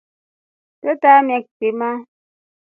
Twe tamia kitima.